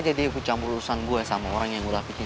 suka ikut campur urusan gue sama orang yang gue dapetin